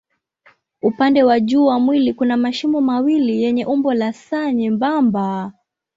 Upande wa juu wa mwili kuna mashimo mawili yenye umbo la S nyembamba.